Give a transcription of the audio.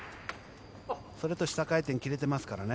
それと下回転切れていますからね。